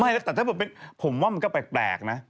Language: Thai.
ไม่ล่ะแต่ถ้าเกิดเป็นผมว่ามันก็แปลกนะ